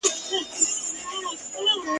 د آزادي نړۍ دغه کرامت دی !.